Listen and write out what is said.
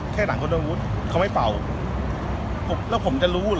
แค่ด่างคนอาวุธเขาไม่เป่าแล้วผมจะรู้เหรอ